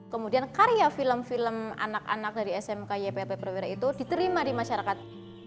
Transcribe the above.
kemudian karya film film anak anak dari smk ypp perwira itu diterima di masyarakat